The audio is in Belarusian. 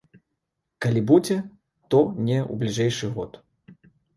Калі будзе, то не ў бліжэйшы год.